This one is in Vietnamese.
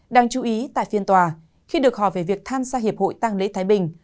đáng chú ý tại phiên tòa khi được hỏi về việc tham gia hiệp hội tăng lễ thái bình